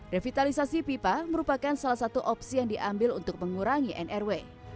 revitalisasi pipa merupakan salah satu opsi yang diambil untuk mengurangi nrw